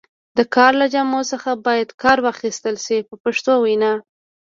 د کار له جامو څخه هم باید کار واخیستل شي په پښتو وینا.